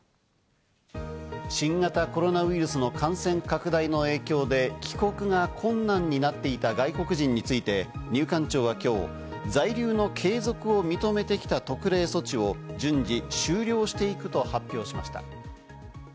新型コロナウイルスの感染拡大の影響で帰国が困難になっていた外国人について入管庁は今日、在留の継続を認めてきた特例措置を順次、終了していくと発表しました。